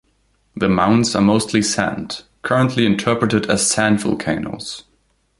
The mounds are mostly sand, currently interpreted as "sand volcanoes".